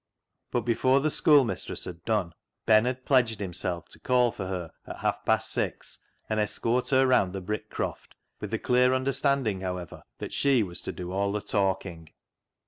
But before the schoolmistress had done Ben had pledged himself to call for her at half past six and escort her round the Brick croft, with the clear understanding, however, that she was to do all the talking.